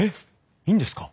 いいんですか？